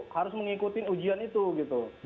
harus mengikuti ujian itu gitu